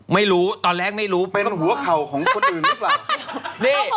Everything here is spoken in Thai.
ไม่รู้ตอนแรกไม่รู้ไปตรงหัวเข่าของคนอื่นหรือเปล่า